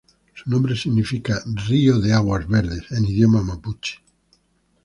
Su nombre significa ""río de aguas verdes"" en idioma mapuche.